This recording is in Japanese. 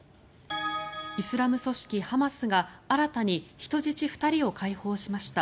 イスラム組織ハマスが新たに人質２人を解放しました。